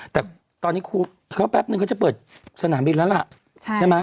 แต่ตอนนี้ครูเขาแป๊บนึงเขาจะเปิดสนามบินแล้วล่ะใช่ไหม